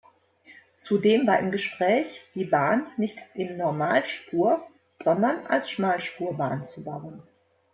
Zudem war im Gespräch, die Bahn nicht in Normalspur, sondern als Schmalspurbahn zu bauen.